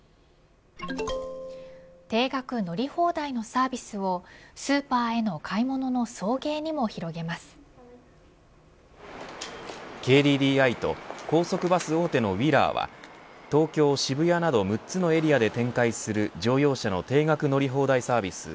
定額乗り放題のサービスをスーパーへの買い物への送迎にもＫＤＤＩと高速バス大手のＷＩＬＬＥＲは東京、渋谷など６つのエリアで展開する乗用車の定額乗り放題サービス